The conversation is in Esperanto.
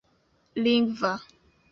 lingva